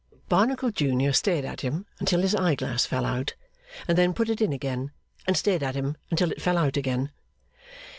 Barnacle junior stared at him until his eye glass fell out, and then put it in again and stared at him until it fell out again.